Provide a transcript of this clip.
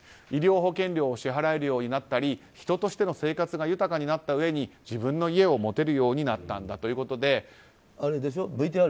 医療保険料を支払えるようになったり人としての生活が豊かになったうえに自分の家を持てるようにＶＴＲに出てた人だよね。